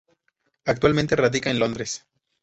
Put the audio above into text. Actualmente radica en Londres.